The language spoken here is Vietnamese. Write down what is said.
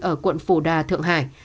ở quận phổ đà thượng hải